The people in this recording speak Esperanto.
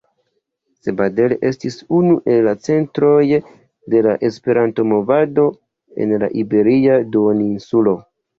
Sabadell estis unu el la centroj de la Esperanto-movado en la iberia duoninsulo.